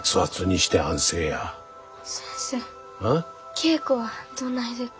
稽古はどないでっか？